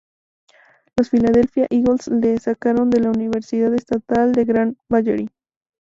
Los Philadelphia Eagles lo sacaron de la Universidad Estatal de Grand Valley.